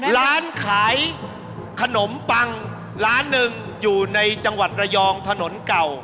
ร้านขายขนมปังร้านหนึ่งอยู่ในจังหวัดระยองถนนเก่า